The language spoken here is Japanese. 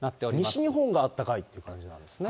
西日本があったかいという感じなんですね。